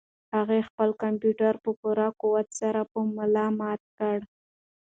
هغه خپل کمپیوټر په پوره قوت سره په ملا مات کړ.